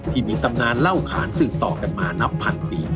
ที่มีตำนานเล่าขาญซึ่งต่อแต่มานับพันปี